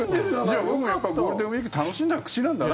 じゃあ僕もゴールデンウィーク楽しんだ口なんだな。